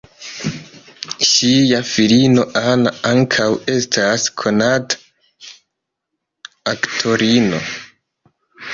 Ŝia filino Anna ankaŭ estas konata aktorino.